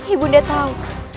ibu nda tahu